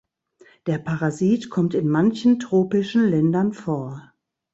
Der Parasit kommt in manchen tropischen Ländern vor.